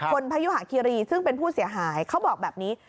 พยุหาคิรีซึ่งเป็นผู้เสียหายเขาบอกแบบนี้